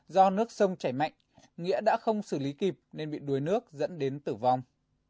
do nước sông chảy mạnh nghĩa đã không xử lý kịp nên bị đuối nước dẫn đến tử vong